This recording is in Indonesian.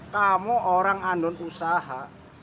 kamu orang andon usaha